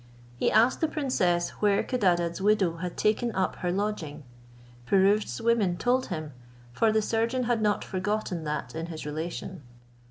He asked the princess where Codadad's widow had taken up her lodging? Pirouzč's women told him, for the surgeon had not forgotten that in his relation.